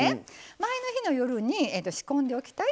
前の日の夜に仕込んでおきたい